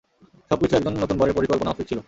সবকিছু একজন নতুন বরের পরিকল্পনামাফিক ছিল।